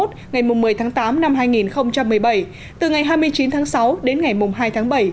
từ ngày hai mươi chín tháng sáu đến ngày một mươi tháng bảy ngày một mươi tháng sáu đến ngày một mươi tháng bảy